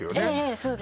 そうです